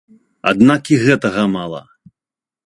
Аднак і гэтага мала.